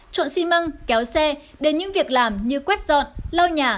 chọn xi măng kéo xe đến những việc làm như quét dọn lao nhà